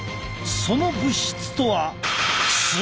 その物質とは。